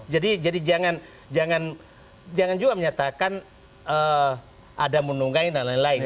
jadi jangan juga menyatakan ada menunggai dan lain lain